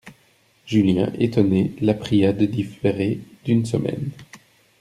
Julien étonné la pria de différer d'une semaine.